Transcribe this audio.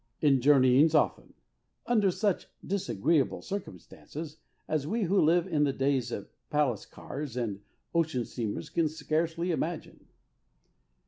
''In journeyings often, under such disagreeable circumstances as we who live in the days of palace cars and ocean steamers can scarcely imagine.